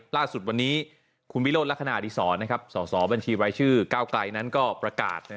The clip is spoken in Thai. ล่าสุดวันนี้คุณวิโรธละครานาธิศรสอบบัญชีไว้ชื่อเก้าไก่นั้นก็ประกาศ